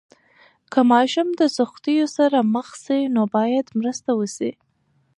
که ماشوم د سختیو سره مخ سي، نو باید مرسته وسي.